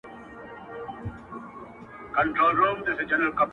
دوې یې سترګي وې په سر کي غړېدلې،